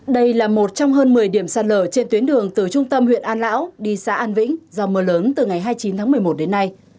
đây là một trong hơn một mươi điểm sạt lở trên tuyến đường từ trung tâm huyện an lão đi xã an vĩnh do mưa lớn từ ngày hai mươi chín tháng một mươi một đến nay